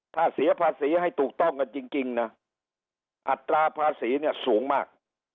ถ้าเสียภาษีให้ถูกต้องกันจริงนะอัตราภาษีเนี่ยสูงมาก